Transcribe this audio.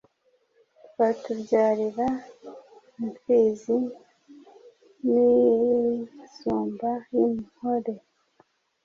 Batubyarira Impfizi n’Insumba, yinkore